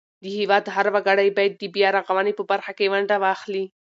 د هیواد هر وګړی باید د بیارغونې په برخه کې ونډه واخلي.